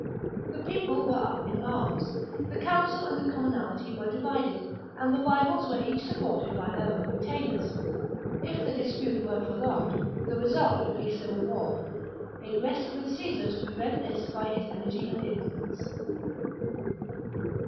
The people were all up in arms : the council and the com monalty were divided ; and the rivals were each supported by their own retainers. If the dispute were prolonged, the result would be civil war. It rested with Caesar to prevent this by his energy and influence.